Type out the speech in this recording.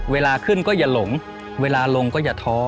เวลาขึ้นก็อย่าหลงเวลาลงก็อย่าท้อ